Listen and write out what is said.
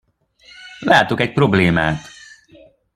Látok egy problémát.